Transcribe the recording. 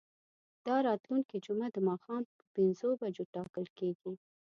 دا راتلونکې جمعه د ماښام په پنځو بجو ټاکل کیږي.